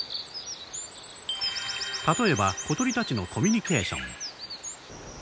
例えば小鳥たちのコミュニケーション